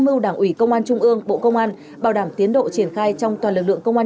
mưu đảng ủy công an trung ương bộ công an bảo đảm tiến độ triển khai trong toàn lực lượng công an